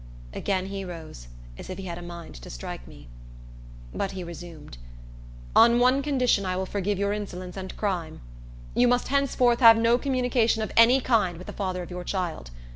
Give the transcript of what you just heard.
Again he rose, as if he had a mind to strike me. But he resumed. "On one condition I will forgive your insolence and crime. You must henceforth have no communication of any kind with the father of your child.